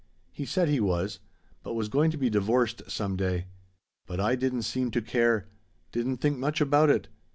He said he was but was going to be divorced some day. But I didn't seem to care didn't think much about it.